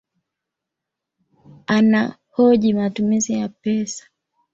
Anahoji matumizi ya pesa